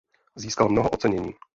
Získal mnoho ocenění.